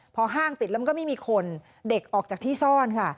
พอห้างปิดแล้วมันก็ไม่มีคนเด็กออกจากที่ซ่อนค่ะ